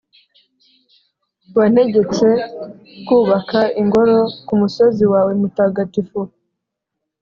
Wantegetse kubaka Ingoro ku musozi wawe mutagatifu,